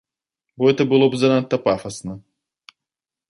Бо гэта было б занадта пафасна.